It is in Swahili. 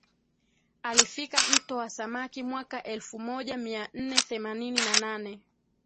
Alifika mto wa samaki mwaka elfu moja mia nne themanini na nane